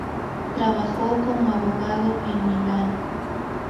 Trabajó como abogado en Milán.